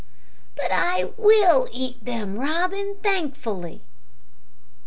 "But I will eat 'em, Robin, thankfully."